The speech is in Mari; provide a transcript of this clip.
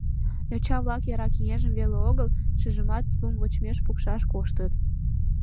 Йоча-влак яра кеҥежым веле огыл, шыжымат лум вочмеш пукшаш коштыт.